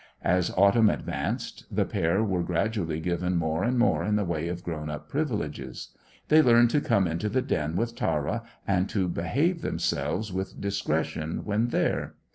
As autumn advanced the pair were gradually given more and more in the way of grown up privileges. They learned to come into the den with Tara, and to behave themselves with discretion when there.